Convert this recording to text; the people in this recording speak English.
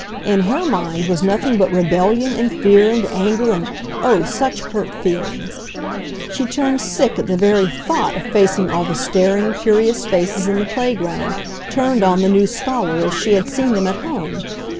In her mind was nothing but rebellion and fear and anger and oh, such hurt feelings! She turned sick at the very thought of facing all the staring, curious faces in the playground turned on the new scholar as she had seen them at home!